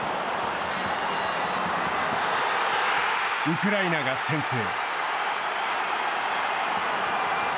ウクライナが先制。